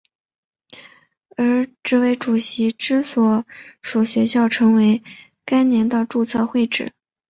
而执委主席之所属学校将成为该年的注册会址。